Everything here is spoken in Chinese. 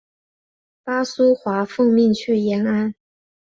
巴苏华奉命去延安。